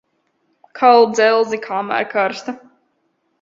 Kal dzelzi, kamēr karsta.